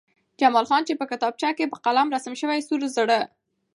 جمال خان چې په کتابچه کې په قلم رسم شوی سور زړه